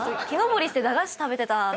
木登りして駄菓子食べてた。